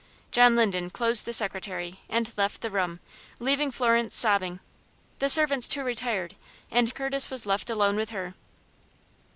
John Linden closed the secretary, and left the room, leaving Florence sobbing. The servants, too, retired, and Curtis was left alone with her.